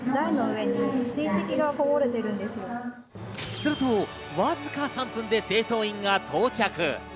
すると、わずか３分で清掃員が到着。